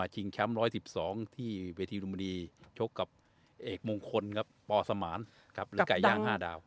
ชิงแชมป์๑๑๒ที่เวทีบริมณีชกกับเอกมงคลปสมานรึกาย้าง๕ดาว